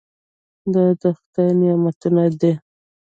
دا د خدای نعمتونه دي.